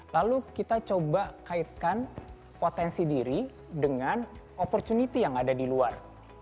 lalu kita coba kaitkan potensi diri dengan opportunity yang ada di luar